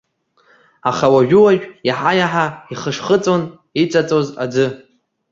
Аха уажәы иаҳа-иаҳа ихышхыҵәон иҵаҵәоз аӡы.